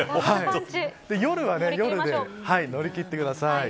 乗り切ってください。